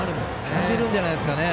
感じるんじゃないですかね。